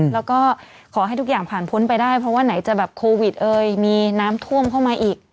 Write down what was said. แล้วก็ขอให้ทุกอย่างผ่านพ้นไปได้เพราะว่าไหนจะแบบโควิดเอ่ยมีน้ำท่วมเข้ามาอีก